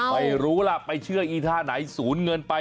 ไม่รู้ล่ะไปเชื่ออีท่าไหนสูญเงินไป